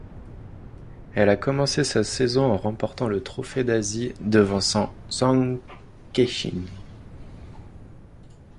Elle a commencé sa saison en remportant le Trophée d'Asie, devançant Zhang Kexin.